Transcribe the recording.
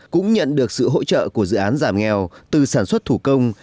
cũng nhận được sự hỗ trợ của dự án giảm nghèo từ sản xuất thủ công